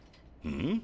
ん？